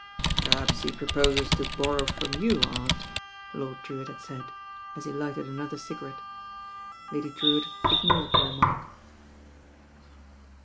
"Perhaps he proposes to borrow from you, Aunt," Lord Drewitt had said, as he lighted another ciga rette. Lady Drewitt ignored the remark.